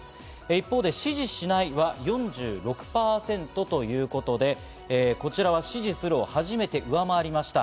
一方で支持しないは４６％ということで、こちらは支持するを初めて上回りました。